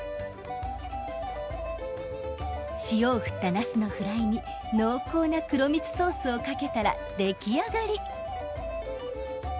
塩をふったなすのフライに濃厚な黒蜜ソースをかけたら出来上がり。